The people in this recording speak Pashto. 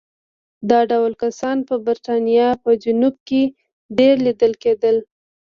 دا ډول کسان په برېټانیا په جنوب کې ډېر لیدل کېدل.